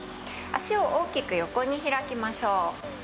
足を大きく横に開きましょう。